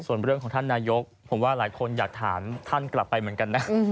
ส่วนเรื่องของท่านนายกผมว่าหลายคนอยากถามท่านกลับไปเหมือนกันนะ